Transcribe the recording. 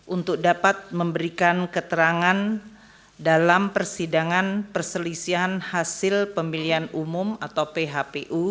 untuk dapat memberikan keterangan dalam persidangan perselisihan hasil pemilihan umum atau phpu